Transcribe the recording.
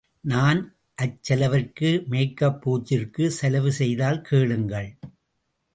நான் அச்செலவிற்கு மேக்கப் பூச்சிற்குச் செலவு செய்தால் கேளுங்கள்.